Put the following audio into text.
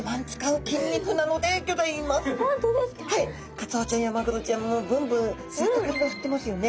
カツオちゃんやマグロちゃんもブンブンずっと体振ってますよね。